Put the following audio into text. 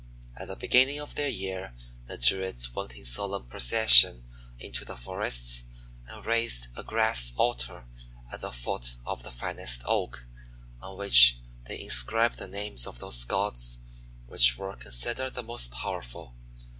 At the beginning of their year the Druids went in solemn procession into the forests, and raised a grass altar at the foot of the finest Oak, on which they inscribed the names of those gods which were considered the most powerful.